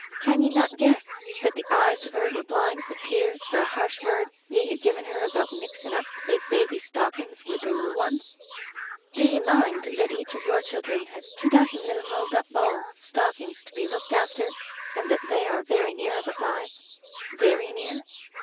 Can ye not guess that the eyes of her were blind with tears for a harsh word ye had given her about mixin* up the big baby's stockings wid the little one's ? Do ye mind that each of your children has two dozen little rolled up balls of stockings to be looked after and that they are very near of a size — ^very near?